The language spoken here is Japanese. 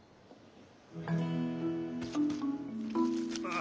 あ。